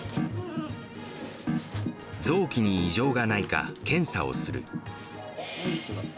臓器に異常がないか、検査をする。